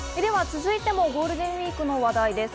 続いてもゴールデンウイークの話題です。